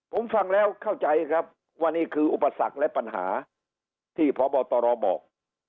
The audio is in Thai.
ผมฟังแล้วเข้าใจครับว่านี่คืออุปสรรคและปัญหาที่พบตรบอก